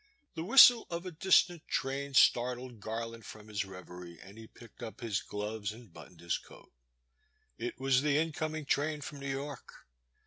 The whistle of a dis tant train startled Garland from his reverie and he picked up his gloves and buttoned his coat. It was the incoming train from New York.